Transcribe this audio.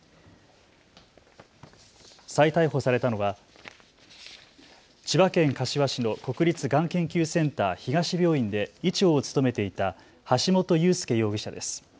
再逮捕されたのは千葉県柏市の国立がん研究センター東病院で医長を務めていた橋本裕輔容疑者です。